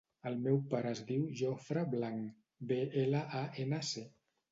El meu pare es diu Jofre Blanc: be, ela, a, ena, ce.